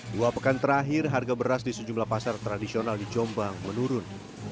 dua pekan terakhir harga beras di sejumlah pasar tradisional di jombang menurun